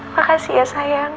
makasih ya sayang